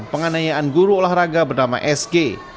penganayaan guru olahraga bernama sg